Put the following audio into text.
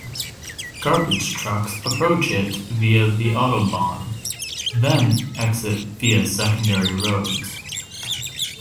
Garbage trucks approach it via the autobahn, then exit via secondary roads.